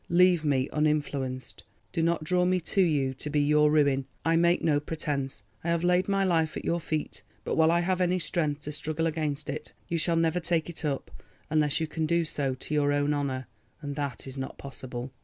Leave me uninfluenced; do not draw me to you to be your ruin. I make no pretence, I have laid my life at your feet, but while I have any strength to struggle against it, you shall never take it up unless you can do so to your own honour, and that is not possible.